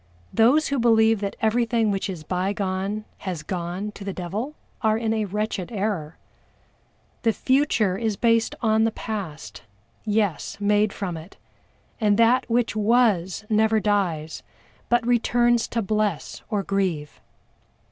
Those who believe that everything which is bygone has gone to the devil are in a wretched error. The future is based on the past yes, made from it, and that which was never dies, but returns to bless or grieve.